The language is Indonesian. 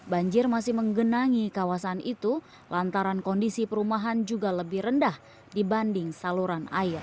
banjir masih menggenangi kawasan itu lantaran kondisi perumahan juga lebih rendah dibanding saluran air